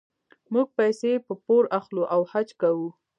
موږ پیسې په پور اخلو او حج کوو.